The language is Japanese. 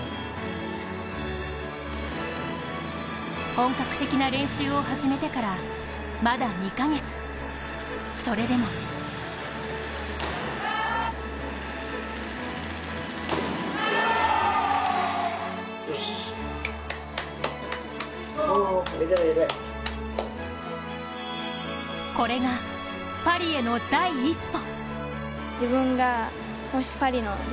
本格的な練習を始めてからまだ２カ月、それでもこれがパリへの第一歩。